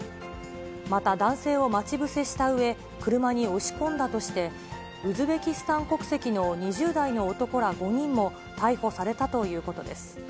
また男性を待ち伏せしたうえ、車に押し込んだとして、ウズベキスタン国籍の２０代の男ら５人も逮捕されたということです。